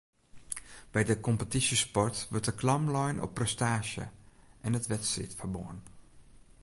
By de kompetysjesport wurdt de klam lein op prestaasje en it wedstriidferbân